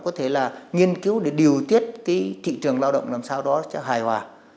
có thể là nghiên cứu để điều tiết cái thị trường lao động làm sao đó cho hài hòa